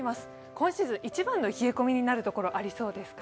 今シーズン一番の冷え込みになるところあそうです。